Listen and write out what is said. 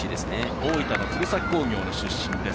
大分の鶴崎工業の出身です